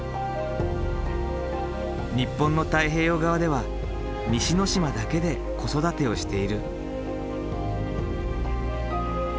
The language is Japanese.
日本の太平洋側では西之島だけで子育てをしている。